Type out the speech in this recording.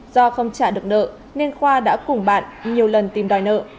do không trả được nợ nên khoa đã cùng bạn nhiều lần tìm đòi nợ